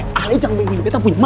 eh ahli jambung ini betapun mampe